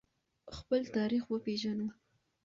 خپل تاریخ وپیژنو.